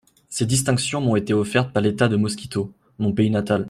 Ces distinctions m’ont été offertes par l’État de Mosquitos, mon pays natal…